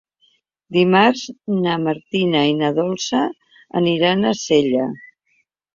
Dimarts na Martina i na Dolça aniran a Sella.